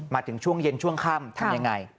มาถึงช่วงเย็นช่วงค่ำทำยังไง